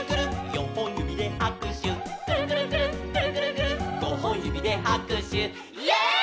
「よんほんゆびではくしゅ」「くるくるくるっくるくるくるっ」「ごほんゆびではくしゅ」イエイ！